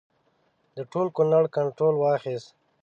د ټول کنړ کنټرول واخیست.